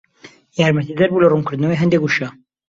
یارمەتیدەر بوو لە ڕوونکردنەوەی هەندێک وشە